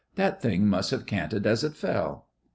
That thing must have canted as it fell.